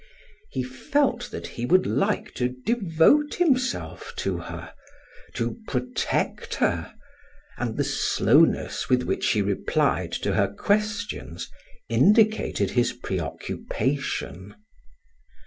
He felt that he would like to devote himself to her, to protect her and the slowness with which he replied to her questions indicated his preoccupation.